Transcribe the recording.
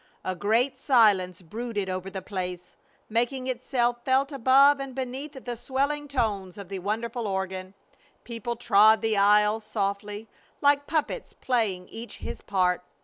A great silence brooded over the place, making itself felt above and beneath the swelling tones of the wonderful organ. People trod the aisles softly, like puppets playing each his part.